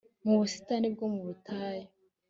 mu busitani bwo mu butayu